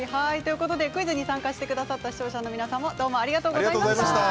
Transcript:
クイズに参加してくださった視聴者の皆様ありがとうございました。